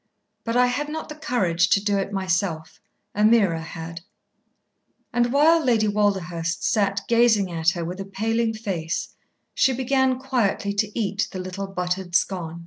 But I had not the courage to do it myself. Ameerah had." And while Lady Walderhurst sat gazing at her with a paling face, she began quietly to eat the little buttered scone.